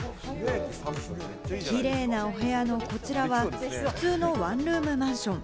キレイなお部屋のこちらは、普通のワンルームマンション。